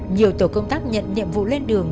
nhiều tổ công tác nhận nhiệm vụ lên đường